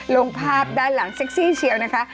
ลงภาพด้านหลังเซ็กซี่เชียวนะคะ